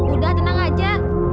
udah tenang aja